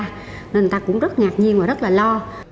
nên người ta cũng rất ngạc nhiên và rất là lo